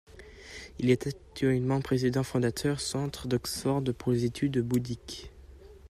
Il est actuellement président-fondateur du Centre d'Oxford pour les Études Bouddhiques.